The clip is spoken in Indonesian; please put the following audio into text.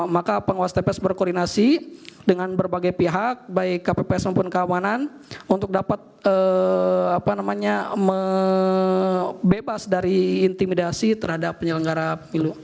maka penguasa tps berkoordinasi dengan berbagai pihak baik kpps maupun kawanan untuk dapat bebas dari intimidasi terhadap penyelenggara